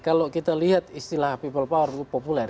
kalau kita lihat istilah people power itu populer